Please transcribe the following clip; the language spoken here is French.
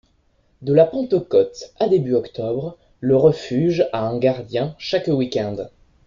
De la Pentecôte à début octobre, le refuge a un gardien chaque week-end.